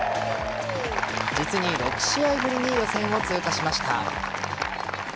実に６試合ぶりに予選を通過しました。